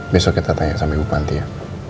besok kita tanya sama ibu panti ya